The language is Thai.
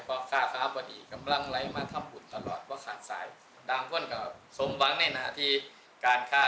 พระพุทธพิบูรณ์ท่านาภิรม